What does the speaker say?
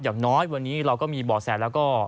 อย่างน้อยวันนี้เราก็มีบ่อแสแล้วก็